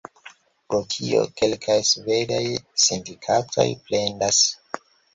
Pro tio, kelkaj svedaj sindikatoj plendas.